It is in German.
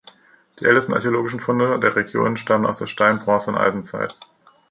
Die ältesten archäologischen Funde der Region stammen aus der Stein-, Bronze- und Eisenzeit.